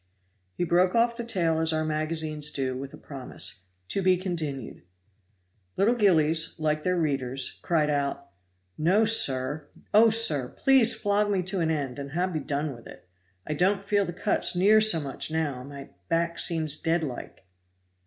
He broke off the tale as our magazines do, with a promise "To be continued." Little Gillies, like their readers, cried out, "No, sir. Oh, sir! please flog me to an end, and ha' done with it. I don't feel the cuts near so much now my back seems dead like."